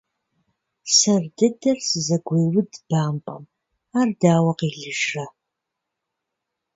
Сэр дыдэр сызэгуеуд бампӏэм, ар дауэ къелыжрэ.